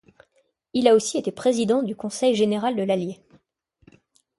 Il a aussi été président du conseil général de l'Allier.